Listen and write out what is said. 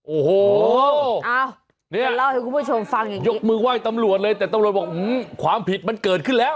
โอ้โหนี่ยกมือไหว้ตำรวจเลยแต่ตำรวจบอกหื้มความผิดมันเกิดขึ้นแล้ว